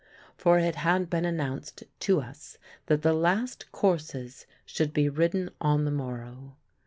For it had been announced to us that the last courses should be ridden on the morrow.